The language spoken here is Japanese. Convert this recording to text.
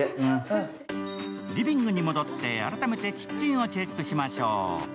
リビングに戻って、改めてキッチンをチェックしましょう。